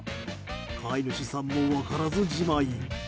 飼い主さんも分からずじまい。